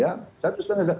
ya satu lima jam